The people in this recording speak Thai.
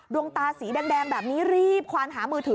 ดวงตาสีแดงแบบนี้รีบควานหามือถือ